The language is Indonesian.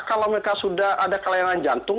kalau mereka sudah ada kelainan jantung